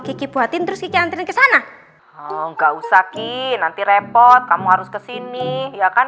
kiki buatin terus ikan terima ke sana enggak usah ki nanti repot kamu harus kesini ya kan